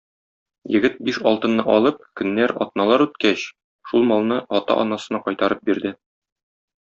Егет, биш алтынны алып, көннәр, атналар үткәч, шул малны ата-анасына кайтарып бирде.